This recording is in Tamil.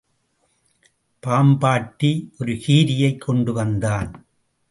பாம்பாட்டி ஒரு கீரியைக் கொண்டுவந்தான்.